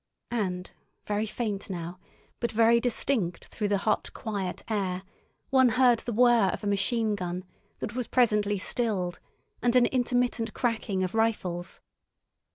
And very faint now, but very distinct through the hot, quiet air, one heard the whirr of a machine gun that was presently stilled, and an intermittent cracking of rifles.